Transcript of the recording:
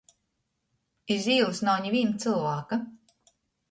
Iz īlys nav nivīna cylvāka.